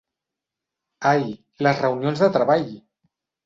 Ai, les reunions de treball!